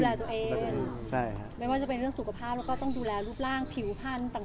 ดูแลตัวเองไม่ว่าจะเป็นเรื่องสุขภาพเราก็ต้องดูแลรูปร่างผิวผ้านต่าง